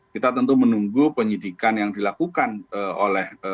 kita tentu menunggu penyidikan yang dilakukan oleh